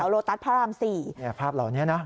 โลตัสพระราม๔ภาพเหล่านี้นะ